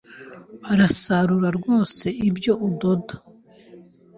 Urasarura rwose ibyo udoda ...